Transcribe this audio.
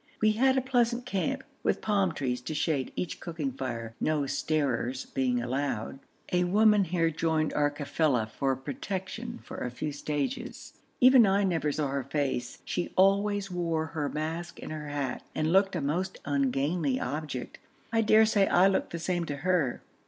We had a pleasant camp, with palm trees to shade each cooking fire, no starers being allowed. A woman here joined our kafila for protection for a few stages. Even I never saw her face: she always wore her mask and her hat, and looked a most ungainly object. I dare say I looked the same to her.